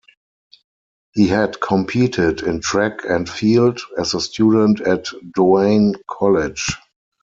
He had competed in track and field as a student at Doane College.